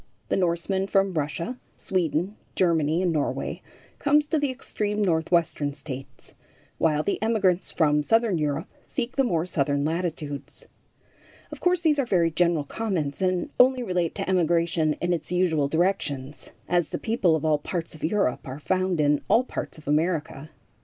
The Norseman from Russia, Sweden, Germany and Norway comes to the extreme Northwestern States, while the emigrants from southern Europe seek the more southern latitudes. Of course, these are very general comments, and only relate to emigration in its usual directions, as the people of all parts of Europe are found in all parts of America.